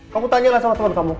kamu tanyalah sama teman kamu